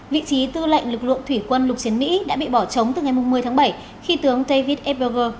vị trí tư lệnh lực lượng thủy quân lục chiến mỹ đã bị bỏ trống từ ngày một mươi tháng bảy khi tướng david f berger